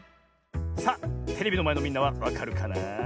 さあテレビのまえのみんなはわかるかな。